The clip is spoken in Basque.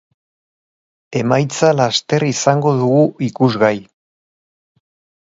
Emaitza laster izango dugu ikusgai!